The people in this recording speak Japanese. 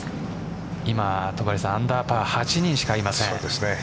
今、戸張さんアンダーパー８人しかいません。